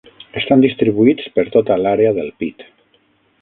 Estan distribuïts per tota l'àrea del pit.